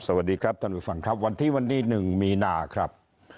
สวัสดีครับท่านผู้ฟังครับวันที่วันที่๑มีนาครับ